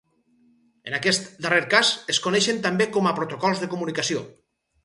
En aquest darrer cas es coneixen també com a protocols de comunicació.